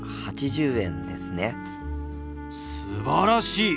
すばらしい！